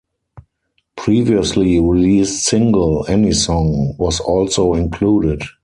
Previously released single "Any Song" was also included.